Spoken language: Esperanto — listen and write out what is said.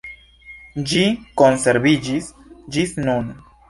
Ĝi konserviĝis ĝis nun.